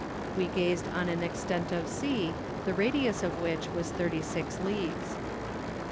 We gazed on an extent of sea, the radius of which was thirty six leagues.